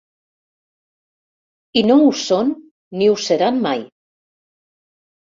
I no ho són ni ho seran mai.